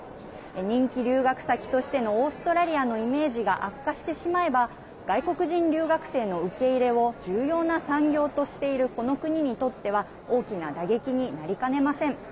人気留学先としてのオーストラリアのイメージが悪化してしまえば外国人留学生の受け入れを重要な産業としているこの国にとっては大きな打撃になりかねません。